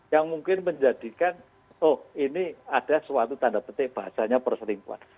yang mungkin menjadikan oh ini ada suatu tanda petik bahasanya perselingkuhan